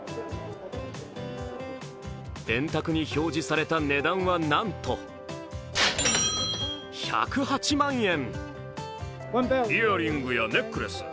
電卓に表示された値段は、なんと１０８万円。